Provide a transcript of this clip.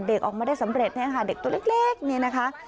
เด็กออกมาได้สำเร็จนะคะเด็กตัวเล็กนี่นะคะ